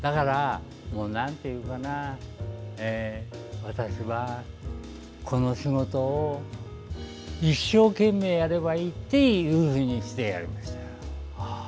だから、私はこの仕事を一生懸命やればいいっていうふうにして、やりました。